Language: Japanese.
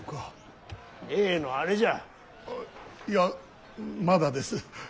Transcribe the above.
・例のあれじゃ。いやまだです。